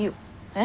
え？